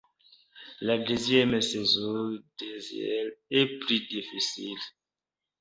La deuxième saison d'Eisel est plus difficile.